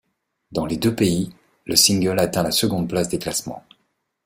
Dans les deux pays, le single atteint la seconde place des classements.